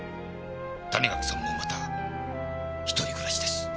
谷垣さんもまた１人暮らしです。